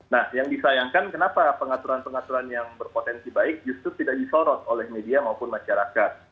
nah yang disayangkan kenapa pengaturan pengaturan yang berpotensi baik justru tidak disorot oleh media maupun masyarakat